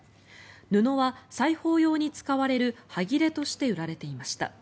布は裁縫用に使われる端切れとして売られていました。